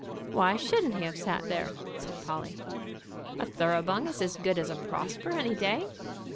"Why shouldn't he have sat there?" said Polly. "A Thoroughbung is as good as a Prosper any day."